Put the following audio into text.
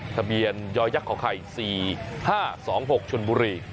ทะเบียนยอยยักษ์ของไข่สี่ห้าสองหกชนบุรี